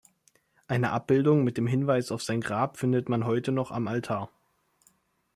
Eine Abbildung mit dem Hinweis auf sein Grab findet man heute noch am Altar.